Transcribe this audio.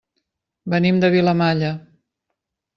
Venim de Vilamalla.